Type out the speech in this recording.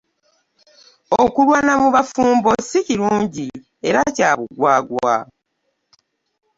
Okulwana mu bafumbo si kirungi era kya bugwagwa.